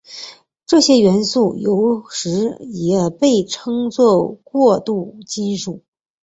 这些元素有时也被称作过渡金属。